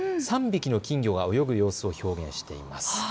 ３匹の金魚が泳ぐ様子を表現しています。